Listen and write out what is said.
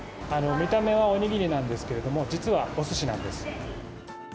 見た目はおにぎりなんですけど、実はおすしなんです。